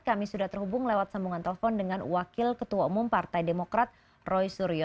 kami sudah terhubung lewat sambungan telepon dengan wakil ketua umum partai demokrat roy suryo